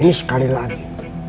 ini sekali lagi